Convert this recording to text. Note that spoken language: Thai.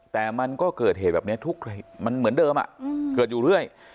แต่มันก็เกิดเหตุแบบนี้ทุกมันเหมือนเดิมเกิดอยู่เรื่อย